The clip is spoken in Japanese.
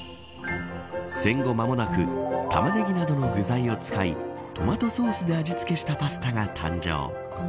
戦後間もなくタマネギなどの具材を使いトマトソースで味付けしたパスタが誕生。